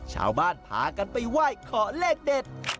ชาวบ้านพากันไปไหว้ขอเลขเด็ด